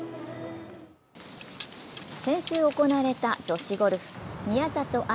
先週行われた女子ゴルフ宮里藍